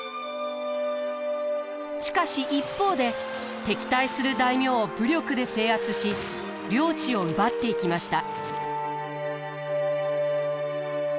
しかし一方で敵対する大名を武力で制圧し領地を奪っていきました。